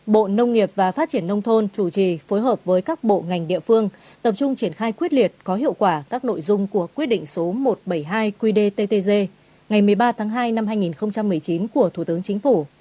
bộ nông nghiệp và phát triển nông thôn chủ trì phối hợp với các bộ ngành địa phương tập trung triển khai quyết liệt có hiệu quả các nội dung của quyết định số một trăm bảy mươi hai qdttg ngày một mươi ba tháng hai năm hai nghìn một mươi chín của thủ tướng chính phủ